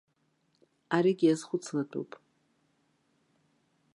Аригьы иазхәыцлатәуп.